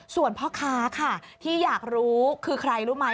ส่วนพ่อค้าค่ะที่อยากรู้คือใครรู้ไหม